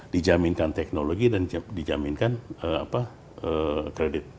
dijaminkan teknologi dan dijaminkan kredit